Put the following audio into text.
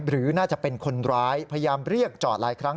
หรือน่าจะเป็นคนร้ายพยายามเรียกจอดหลายครั้ง